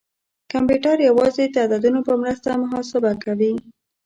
کمپیوټر یوازې د عددونو په مرسته محاسبه کوي.